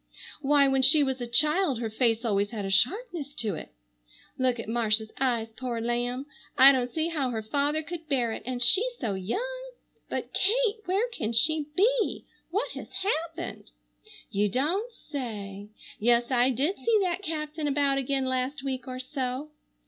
Why, when she was a child her face always had a sharpness to it. Look at Marcia's eyes, poor lamb! I don't see how her father could bear it, and she so young. But Kate! Where can she be? What has happened? You don't say! Yes, I did see that captain about again last week or so.